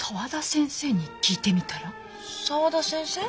沢田先生？